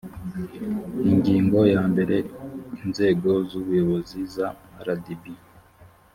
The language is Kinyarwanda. ingingo yambere inzego z ubuyobozi za rdb